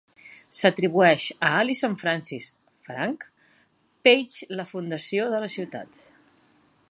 S'atribueix a Allison Francis "Frank" Page la fundació de la ciutat.